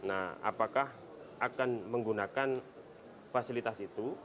nah apakah akan menggunakan fasilitas itu